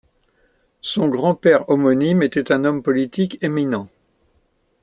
Son grand-père homonyme était un homme politique éminent.